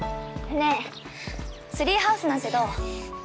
ねえツリーハウスなんてどう？